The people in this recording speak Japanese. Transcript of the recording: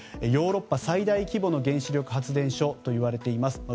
ヨーロッパ最大規模の原子力発電所といわれています。